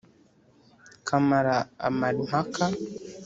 Kamara amara impaka